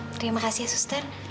terima kasih ya suster